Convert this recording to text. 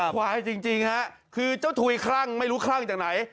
ควายจริงฮะคือเจ้าถุยคลั่งไม่รู้คลั่งจากไหน